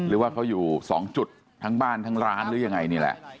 หรือว่าเขาอยู่๒จุดทั้งบ้านทั้งร้านหรือยังไงนี่แหละ